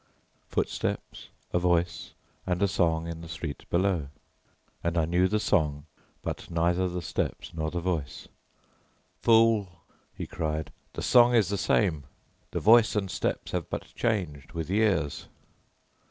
Footsteps, a voice, and a song in the street below, and I knew the song but neither the steps nor the voice. "Fool!" he cried, "the song is the same, the voice and steps have but changed with years!"